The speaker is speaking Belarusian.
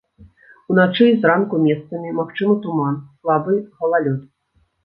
Уначы і зранку месцамі магчымы туман, слабы галалёд.